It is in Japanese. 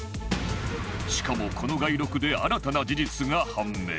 しかもこの街録で新たな事実が判明